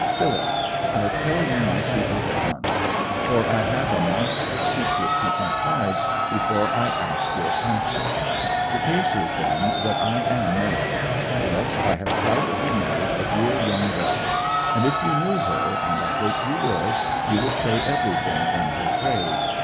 'Phyllis—I'll tell you my secret at once; for I have a monstrous secret to confide before I can ask your counsel. The case is, then, that I am married: yes, I have privately married a dear young belle; and if you knew her, and I hope you will, you would say everything in her praise.